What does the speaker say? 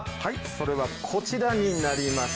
それはこちらになります。